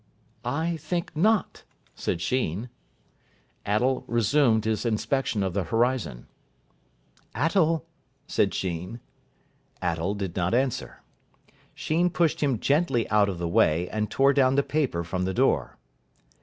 "I think not," said Sheen. Attell resumed his inspection of the horizon. "Attell," said Sheen. Attell did not answer. Sheen pushed him gently out of the way, and tore down the paper from the door.